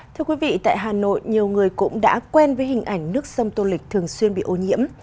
thưa quý vị tại hà nội nhiều người cũng đã quen với hình ảnh nước sông tô lịch thường xuyên bị ô nhiễm